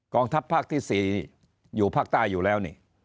ทัพภาคที่๔อยู่ภาคใต้อยู่แล้วนี่